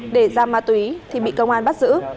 để ra ma túy thì bị công an bắt giữ